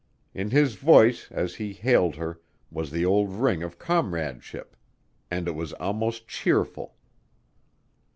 In his voice as he hailed her was the old ring of comradeship and it was almost cheerful.